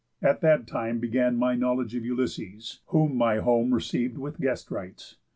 At that time began My knowledge of Ulysses, whom my home Receiv'd with guest rites.